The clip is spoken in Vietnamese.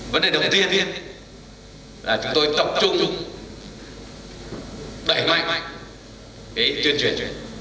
vấn đề đầu tiên là chúng tôi tập trung đẩy mạnh cái chuyên truyền